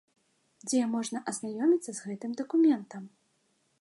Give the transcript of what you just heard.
Дзе можна азнаёміцца з гэтым дакументам?